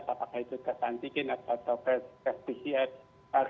apakah itu tes antigen atau tes pcr